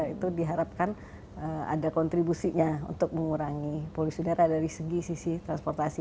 itu di harapkan ada kontribusinya untuk mengurangi polusi udara dari segi sisi transportasi